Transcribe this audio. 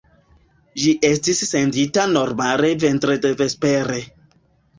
Ĝi estis sendita normale vendredvespere.